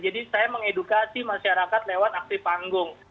jadi saya mengedukasi masyarakat lewat aktif panggung